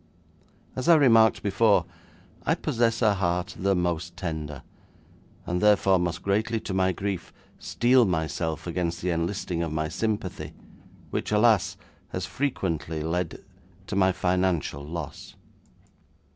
As I remarked before, I possess a heart the most tender, and therefore must greatly to my grief, steel myself against the enlisting of my sympathy, which, alas! has frequently led to my financial loss.